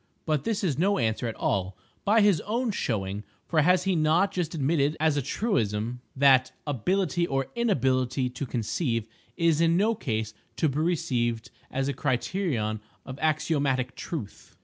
But this is no answer at all, by his own showing, for has he not just admitted as a truism that "ability or inability to conceive is in no case to be received as a criterion of axiomatic truth."